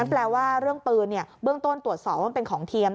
นั้นแปลว่าเรื่องปืนเนี่ยเบื้องต้นตรวจสอบว่าเป็นของเทียม